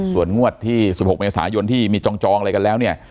ส่วนงวดที่๑๖เมษายนที่มีจองอะไรกันแล้วเนี่ย